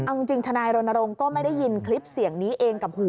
เอาจริงทนายรณรงค์ก็ไม่ได้ยินคลิปเสียงนี้เองกับหู